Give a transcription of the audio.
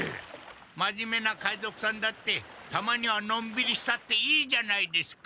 まじめな海賊さんだってたまにはのんびりしたっていいじゃないですか。